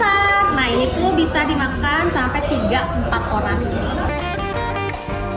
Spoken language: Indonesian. nah ini tuh bisa dimakan sampai tiga empat orang